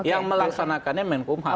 yang melaksanakannya menkumham